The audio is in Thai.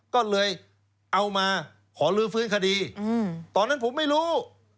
ก็เลยเอามาขอลื้อฟื้นคดีตอนนั้นผมไม่รู้